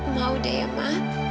mau deh ya ma